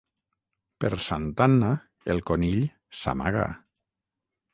Per Santa Anna el conill s'amaga.